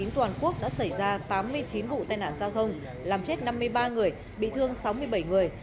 toàn quốc đã xảy ra tám mươi chín vụ tai nạn giao thông làm chết năm mươi ba người bị thương sáu mươi bảy người